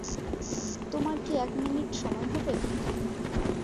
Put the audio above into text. তোমার কি এক মিনিট সময় হবে?